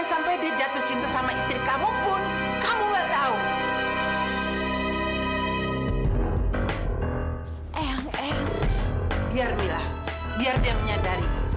sampai jumpa di video selanjutnya